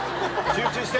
集中して。